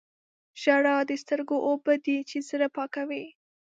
• ژړا د سترګو اوبه دي چې زړه پاکوي.